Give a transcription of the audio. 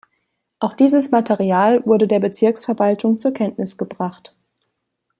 Auch dieses Material wurde der Bezirksverwaltung zur Kenntnis gebracht.